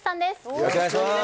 よろしくお願いします